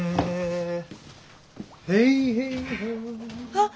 ・あっ